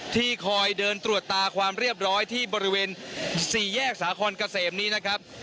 ที่คอยเดินตรวจตาความเรียบร้อยที่บริเวณสี่แยกสาคอนเกษมนี้นะครับ